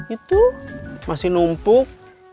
itu masih numpuk